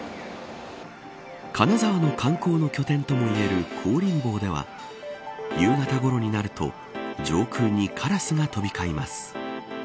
金沢の観光の拠点ともいえる香林坊では夕方ごろになると上空にカラスが飛び交います。